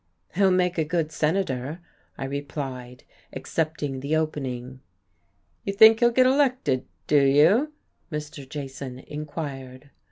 "He'll make a good senator," I replied, accepting the opening. "You think he'll get elected do you?" Mr. Jason inquired.